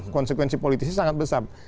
konsekuensi politisnya sangat besar